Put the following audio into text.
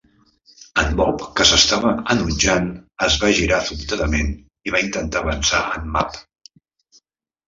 En Bob, que s'estava enutjant, es va girar sobtadament i va intentar avançar en Mab.